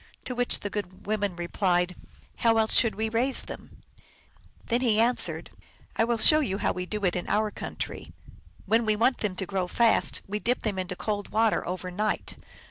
To which the good women replied, " How else should we raise them ?" Then he answered, " I will show you how we do in our country. When we want them to grow fast, we dip them into cold water over night.